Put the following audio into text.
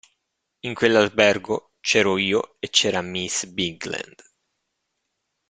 In quell'albergo c'ero io e c'era miss Bigland.